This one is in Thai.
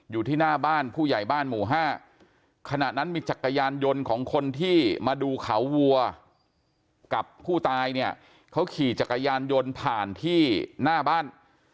อยู่ที่หน้าบ้านผู้ใหญ่บ้านหมู่ห้าขณะนั้นมีจักรยานยนต์ของคนที่มาดูเขาวัวกับผู้ตายเนี่ยเขาขี่จักรยานยนต์ผ่านที่หน้าบ้าน